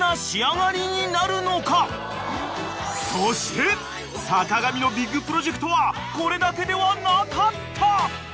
［そして坂上のビッグプロジェクトはこれだけではなかった！］